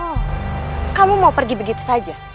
oh kamu mau pergi begitu saja